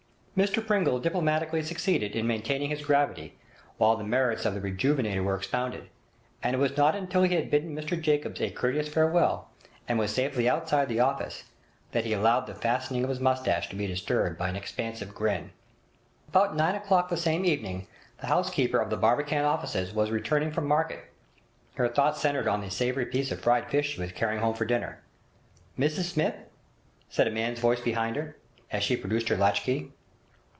Mr Pringle diplomatically succeeded in maintaining his gravity while the merits of the "Rejuvenator" were expounded, and it was not until he had bidden Mr Jacobs a courteous farewell, and was safely outside the office, that he allowed the fastening of his moustache to be disturbed by an expansive grin. About nine o'clock the same evening the housekeeper of the Barbican offices was returning from market, her thoughts centred on the savoury piece of fried fish she was carrying home for supper. 'Mrs Smith?' said a man's voice behind her, as she produced her latch key.